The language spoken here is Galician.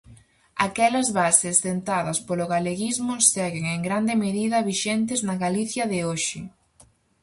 Aquelas bases sentadas polo galeguismo seguen en grande medida vixentes na Galicia de hoxe.